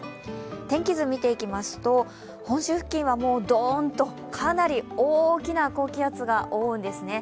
天気図、見ていきますと本州付近はどーんとかなり大きな高気圧が覆うんですね。